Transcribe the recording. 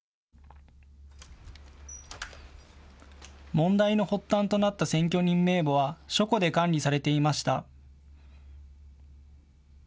問題の発端となった選挙人名簿は書庫で管理されていました。